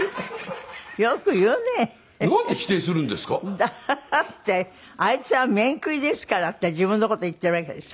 だってあいつは面食いですからって自分の事言っているわけでしょ？